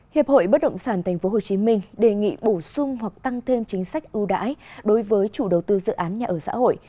hiệp hội bất động sản tp hcm đề nghị bổ sung hoặc tăng thêm chính sách ưu đãi đối với chủ đầu tư dự án nhà ở xã hội